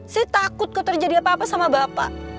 sih takut kok terjadi apa apa sama bapak